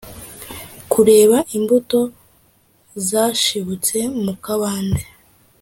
kureba imbuto zashibutse mu kabande,